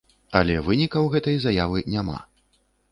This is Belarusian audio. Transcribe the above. Але вынікаў гэтай заявы няма.